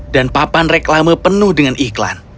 dan papan reklama penuh dengan iklan